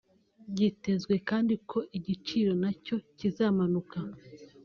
byitezwe kandi ko igiciro na cyo kizamanuka